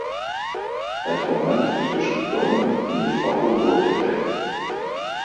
Het moment is dus gekomen om de fakkel door te geven.